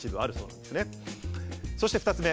そして２つ目。